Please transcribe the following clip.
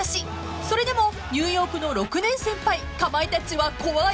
［それでもニューヨークの６年先輩かまいたちは怖い？］